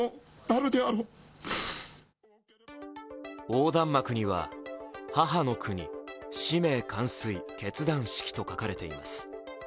横断幕には「母の国使命完遂決断式」と書かれています。